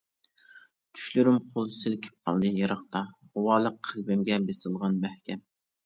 چۈشلىرىم قول سىلكىپ قالدى يىراقتا، غۇۋالىق قەلبىمگە بېسىلغان مەھكەم.